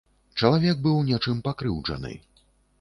Чалавек быў нечым пакрыўджаны.